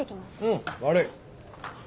うん悪い。